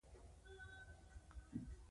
کوږ بار تر منزله نه رسیږي یو متل دی.